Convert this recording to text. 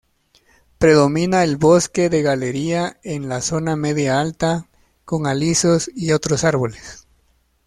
Predomina el bosque de galería en la zona media-alta con alisos y otros árboles.